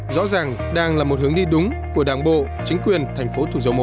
rõ ràng đang là một hướng đi đúng của đảng bộ chính quyền thành phố thủ dầu một